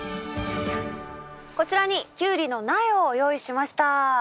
こちらにキュウリの苗を用意しました。